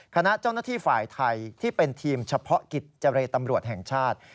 คณะเจ้าหน้าที่ฝ่ายไทยที่เป็นทีมเฉพาะกิจเจรตำรวจแห่งชาติ